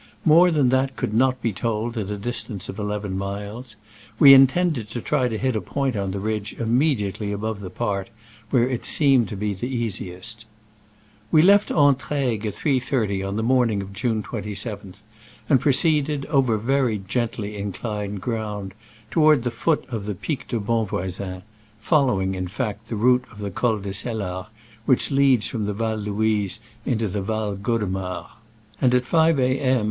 More than that could not be told at a distance of eleven miles. We intended to try to hit a point on the ridge immediately above the part where it seemed to be easiest. W^e left Entraigues at 3.30 on the morning of June 27, and proceeded, over very gently inclined ground, toward the foot of the Pic de Bonvoisin (following, in fact, the route of the Col de Sellar, which leads from the Val Louise into the Val Godemar),* and at 5 a. M.